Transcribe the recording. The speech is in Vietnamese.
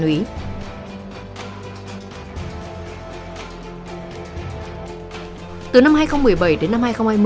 nguyễn thị dương bùi mạnh tiến nguyễn khắc ninh quách việt cường phạm văn úy